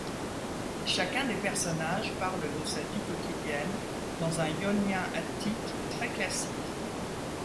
Chacun des personnages parle de sa vie quotidienne, dans un ionien-attique très classique.